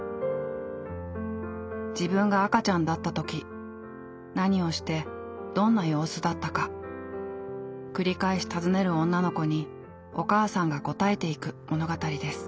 自分が赤ちゃんだった時何をしてどんな様子だったか繰り返し尋ねる女の子にお母さんが答えていく物語です。